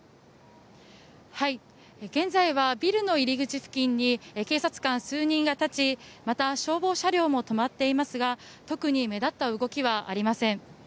現在はビルの入り口付近に警察官数人が立ちまた消防車両も止まっていますが特に目立った動きはありません。